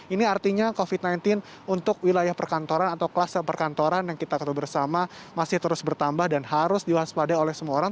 ini artinya covid sembilan belas untuk wilayah perkantoran atau kluster perkantoran yang kita ketemu bersama masih terus bertambah dan harus diwaspadai oleh semua orang